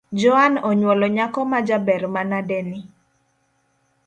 Joan onywolo nyako majaber manade ni